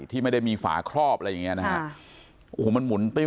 ที่ไม่ได้มีฝาคลอบอะไรอย่างนี้